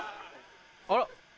あら？